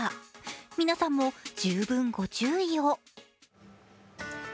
皆さんも十分ご注意を。